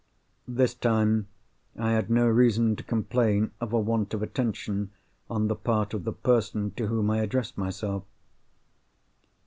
This time I had no reason to complain of a want of attention on the part of the person to whom I addressed myself.